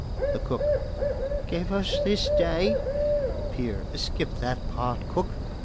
THE COOK: Give us this day ! PEER: Skip that part, Cook.